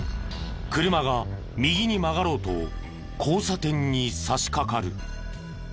車が右に曲がろうと交差点に差しかかる。